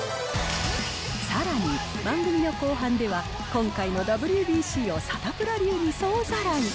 さらに、番組の後半では今回のＷＢＣをサタプラ流に総ざらい。